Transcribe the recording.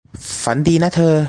ฝันดีนะเธอ